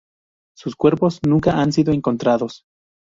Sus cuerpos nunca han sido encontrados.